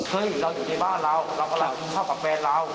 เราอยู่ในบ้านเราเรากำลังกินข้าวกับแฟนเรา